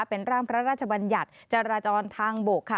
เป็นร่างพระราชบัญญัติจราจรทางบกค่ะ